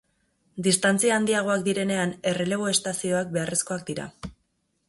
Distantzia handiagoak direnean, errelebo-estazioak beharrezkoak dira.